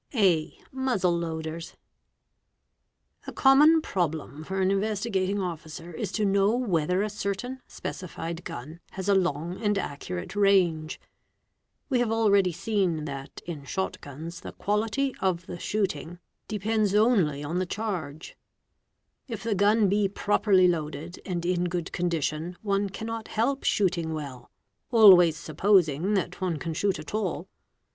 a. Muzzle loaders. A common problem for an Investigating Officer is to. know whether a certain specified gun has a long and accurate range. We have already ' seen that in shot guns the quality of the shooting depends only on the charge; if the gun be properly loaded and in good condition one cannot help shooting well, (always supposing that one can shoot at all).